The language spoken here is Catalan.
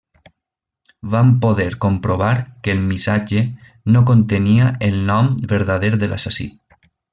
Van poder comprovar que el missatge, no contenia el nom verdader de l'assassí.